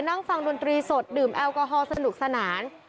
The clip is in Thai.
นั่งฟังดนตรีสดดื่มแอลกอฮอลสนุกสนาน